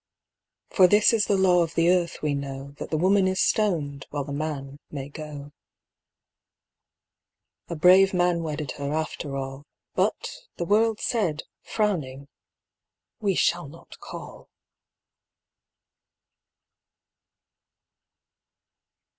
For this is the law of the earth, we know: That the woman is stoned, while the man may go. A brave man wedded her after all, But the world said, frowning, "We shall not call."